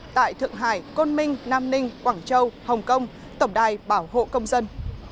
tại thượng hải côn minh nam ninh quảng châu hồng kông tổng đài bảo hộ công dân